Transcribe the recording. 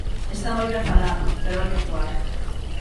Está moi ben falar, pero hai que actuar.